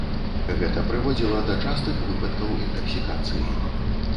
Гэта прыводзіла да частых выпадкаў інтаксікацыі.